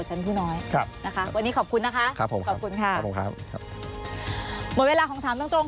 ช่วยทุกอย่าง